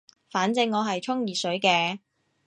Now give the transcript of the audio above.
反正我係沖熱水嘅